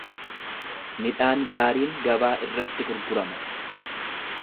Midhaan gaariin gabaa irratti gurgurama.